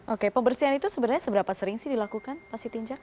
oke pembersihan itu sebenarnya seberapa sering dilakukan pak sitingjak